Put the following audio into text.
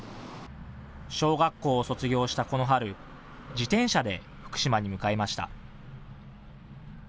小学校を卒業したこの春、自転車で福島に向かいました。